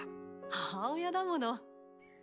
母親だもの。